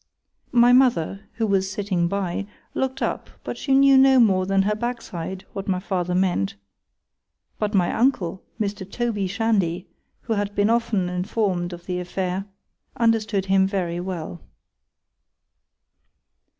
_ —My mother, who was sitting by, look'd up, but she knew no more than her backside what my father meant,—but my uncle, Mr. Toby Shandy, who had been often informed of the affair,—understood him very well.